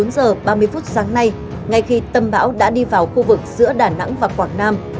bốn giờ ba mươi phút sáng nay ngay khi tâm bão đã đi vào khu vực giữa đà nẵng và quảng nam